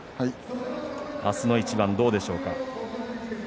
明日の一番、どうでしょうか。